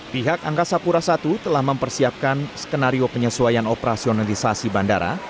pihak angkasa pura i telah mempersiapkan skenario penyesuaian operasionalisasi bandara